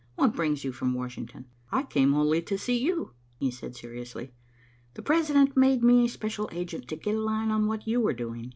"What brings you from Washington?" "I came wholly to see you," he said seriously. "The President made me a special agent to get a line on what you were doing.